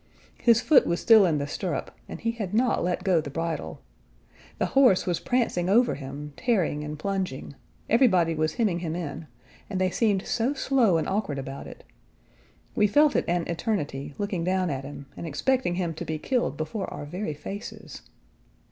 His foot was still in the stirrup, and he had not let go the bridle. The horse was prancing over him, tearing and plunging; everybody was hemming him in, and they seemed so slow and awkward about it. We felt it an eternity, looking down at him, and expecting him to be killed before our very faces.